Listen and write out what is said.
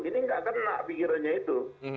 nggak kena pikirannya itu